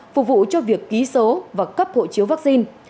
phục vụ cho việc ký số và cấp hộ chiếu vaccine